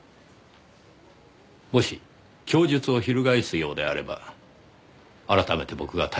もし供述を翻すようであれば改めて僕が対処します。